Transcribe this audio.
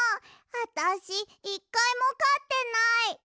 あたし１かいもかってない。